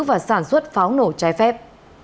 và sản xuất pháo nổ trái phép